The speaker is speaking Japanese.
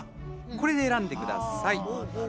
これで選んでください。